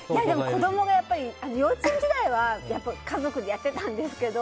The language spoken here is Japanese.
子供が幼稚園時代は家族でやってたんですけど。